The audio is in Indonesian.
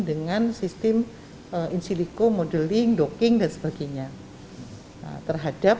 dengan sistem insiliko modeling docking dan sebagainya